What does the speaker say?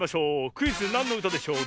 クイズ「なんのうたでしょう」